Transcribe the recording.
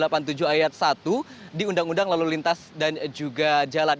di satu di undang undang lalu lintas dan juga jalan